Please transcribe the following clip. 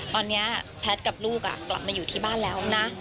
ตอนนี้แพทย์กับลูกกลับมาอยู่ที่บ้านแล้วนะ